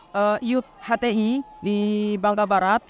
pencabutan iup hti di bangka barat